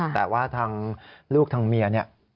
แต่ว่าทางลูกทางเมียเนี่ย